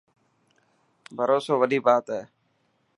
ڀروسو وڏي بات هي.